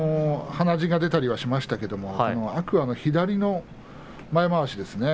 鼻血が出たりはしましたけれども天空海の左の前まわしですね